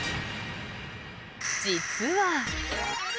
実は。